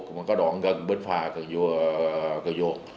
cũng như là cái đoạn gần bên phà thường duột